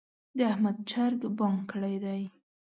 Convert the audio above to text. د احمد چرګ بانګ کړی دی.